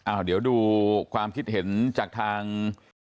เดี๋ยวดูความคิดเห็นจากทาง